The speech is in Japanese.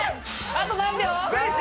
あと５秒！